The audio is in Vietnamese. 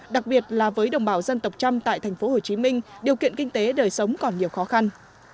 đặc biệt là với đồng bào dân tộc trăm tại tp hcm điều kiện kinh tế đời sống còn nhiều khó khăn